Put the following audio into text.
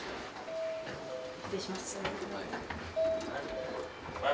失礼します。